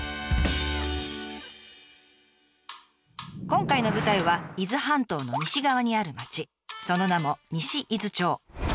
今回の舞台は伊豆半島の西側にある町その名も西伊豆町。